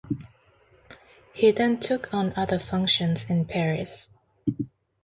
He then took on other functions in Paris.